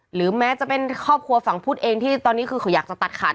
หรือแม้จะเป็นครอบครัวฝั่งพุทธเองที่ตอนนี้คือเขาอยากจะตัดขาด